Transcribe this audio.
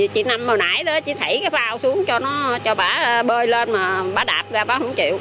chị năm hồi nãy đó chị thả cái phao xuống cho nó cho bà bơi lên mà bà đạp ra bà không chịu